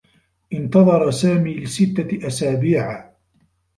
انتظر سامي لستّة أسابيع.